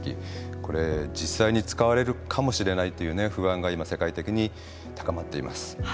これ実際に使われるかもしれないという不安が今世界的に高まっています。